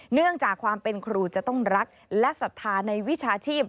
เนื่องจากความเป็นครูจะต้องรักและศรัทธาในวิชาชีพ